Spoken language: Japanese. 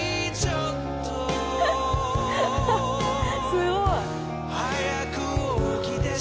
「すごい！」